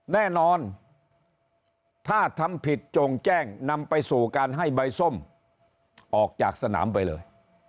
แน่นอนถ้าทำผิดจงแจ้งนำไปสู่การให้ใบส้มออกจากสนามไปเลย